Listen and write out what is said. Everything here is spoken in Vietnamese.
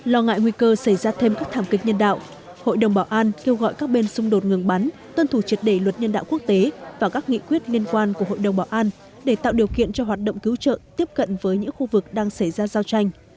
lo ngại nguy cơ xảy ra thêm các thảm kích nhân đạo hội đồng bảo an kêu gọi các bên xung đột ngừng bắn tuân thủ triệt để luật nhân đạo quốc tế và các nghị quyết liên quan của hội đồng bảo an để tạo điều kiện cho hoạt động cứu trợ tiếp cận với những khu vực đang xảy ra giao tranh